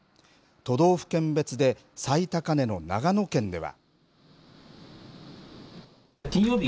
都道府県別で最高値の長野県では。